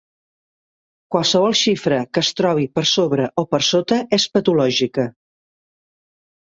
Qualssevol xifra que es trobi per sobre o per sota és patològica.